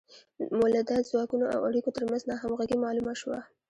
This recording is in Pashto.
د مؤلده ځواکونو او اړیکو ترمنځ ناهمغږي معلومه شوه.